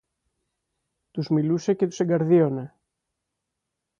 Τους μιλούσε και τους εγκαρδίωνε